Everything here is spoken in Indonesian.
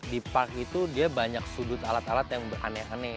di park itu dia banyak sudut alat alat yang beranehanek